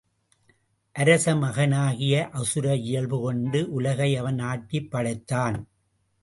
அரச மகனாகியும் அசுர இயல்பு கொண்டு உலகை அவன் ஆட்டிப்படைத்தான்.